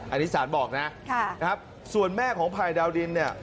อันนี้ศาลบอกนะส่วนแม่ของภัยดาวดิน